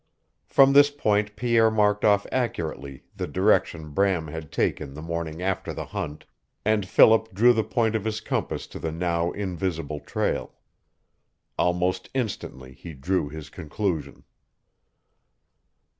From this point Pierre marked off accurately the direction Bram had taken the morning after the hunt, and Philip drew the point of his compass to the now invisible trail. Almost instantly he drew his conclusion.